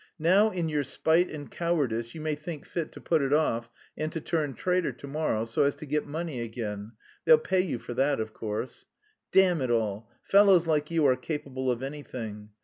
"Now in your spite and cowardice you may think fit to put it off and to turn traitor to morrow, so as to get money again; they'll pay you for that, of course. Damn it all, fellows like you are capable of anything!